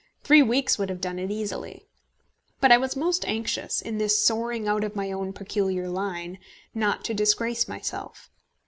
Three weeks would have done it easily. But I was most anxious, in this soaring out of my own peculiar line, not to disgrace myself.